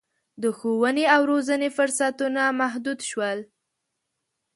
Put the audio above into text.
د ښوونې او روزنې فرصتونه محدود شول.